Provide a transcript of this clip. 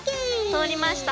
通りました。